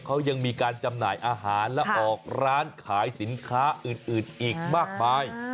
เขายังมีการจำหน่ายอาหารและออกร้านขายสินค้าอื่นอีกมากมาย